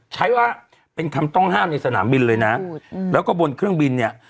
ใช้ว่าเป็นคำต้องห้ามในสนามบินเลยนะแล้วก็บนเครื่องบินเนี่ย